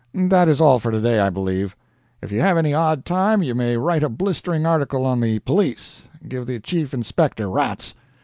That is all for today, I believe. If you have any odd time, you may write a blistering article on the police give the chief inspector rats.